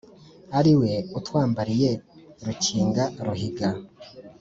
ari we atwambariye rukinga ruhiga.